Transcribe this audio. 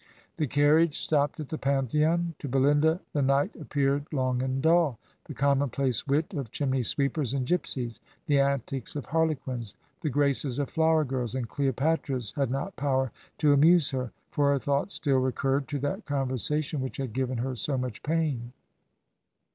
.*. The carriage stopped at the Pantheon. .. .To Belinda the night appeared long and dull; the commonplace wit of chimney sWeepets and gypsies; the antics of harle quins; the graces of flower girls and Cleopatras had not power to ainusei her; for her thoughts still recurred to that conv^tsation which had given her so much pain.